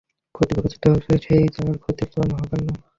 ক্ষতিগ্রস্ত হচ্ছে সে-ই যার ক্ষতি পূরণ হবার নয়।